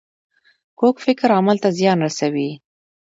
کوږ فکر عمل ته زیان رسوي